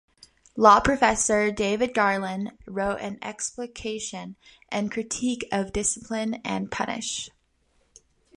Law Professor David Garland wrote an explication and critique of "Discipline and Punish".